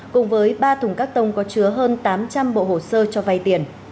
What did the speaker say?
cùng với ba thùng các tông có chứa hơn tám trăm linh bộ hồ sơ cho vay tiền